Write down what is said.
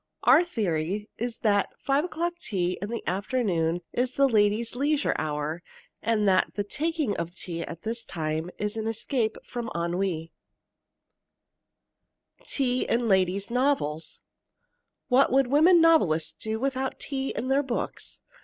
Our theory is that five o'clock in the afternoon is the ladies' leisure hour, and that the taking of tea at that time is an escape from ennui. TEA IN LADIES' NOVELS What would women novelists do without tea in their books?